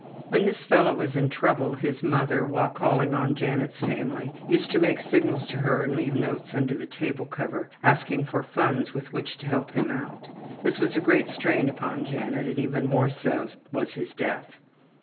When this fellow was in trouble, his mother, while calling on Janet's family, used to make signals to her and leave notes under the table cover, asking for funds with which to help him out. This was a great strain upon Janet and even more so was his death.